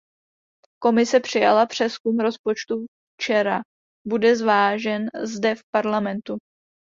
Komise přijala přezkum rozpočtu včera; bude zvážen zde v Parlamentu.